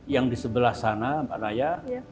yang di sebelah sana mbak naya